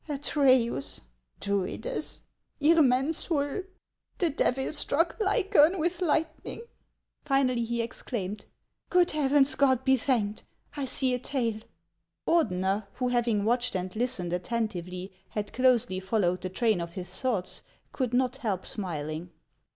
— Atreus — Druidess — Irmensul — The Devil struck Lycaon with lightning —" Finally he exclaimed :" Good Heavens ! God be thanked ! I see a tail !" Ordeuer, who, having watched and listened attentively, had closely followed the train of his thoughts, could not help smiling.